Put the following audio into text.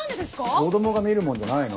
子供が見るもんじゃないの。